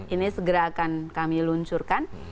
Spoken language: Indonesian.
ini segera akan kami luncurkan